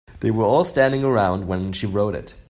They were all standing around when she wrote it.